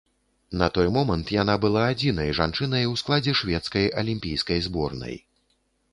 На той момант яна была адзінай жанчынай у складзе шведскай алімпійскай зборнай.